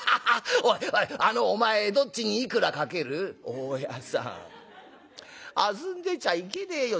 「大家さん遊んでちゃいけねえよ。